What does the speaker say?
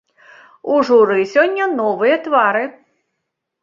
У журы сёння новыя твары.